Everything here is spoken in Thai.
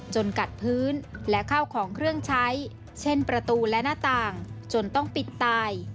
กัดพื้นและข้าวของเครื่องใช้เช่นประตูและหน้าต่างจนต้องปิดตาย